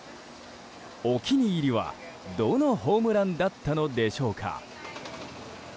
お気に入りは、どのホームランだったのでしょうか。